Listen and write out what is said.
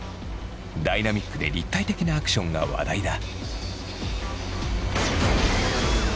ダイナミックで立体的なアクションが話題だ。